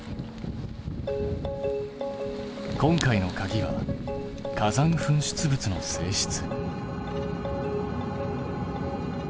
今回のかぎは火山噴出物の性質。